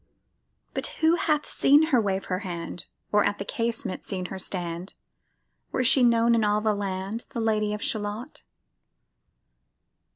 But who hath seen her wave her hand? Or at the casement seen her stand? Or is she known in all the land, The Lady of Shalott?